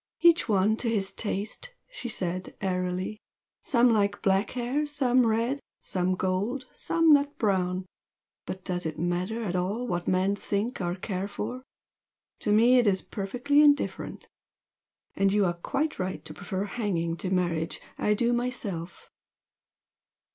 "Each one to his taste!" she said, airily "Some like black hair some red some gold some nut brown. But does it matter at all what men think or care for? To me it is perfectly indifferent! And you are quite right to prefer hanging to marriage I do, myself!"